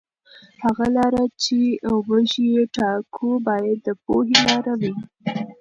هغه لاره چې موږ یې ټاکو باید د پوهې لاره وي.